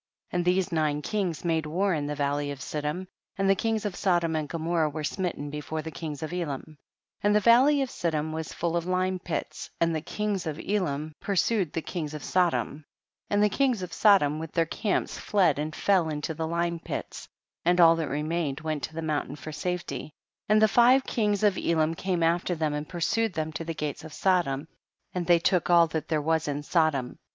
4. And these nine kings made war in the valley of Siddim ; and the kings of Sodom and Gomorrah were smitten before the kings of Elam. 5. And the valley of Siddim was full of lime pits and the kings of Elam pursued the kings of Sodom, and the kings of Sodom with their camps fled and fell into the lime pits, and all that remained went to the mountain for safety, and the five kings of Elam came after them and pursued them to the gates of Sodom, and they took all that there was in Sodom.